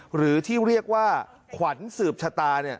หรือที่เรียกว่าขวัญสืบชะตา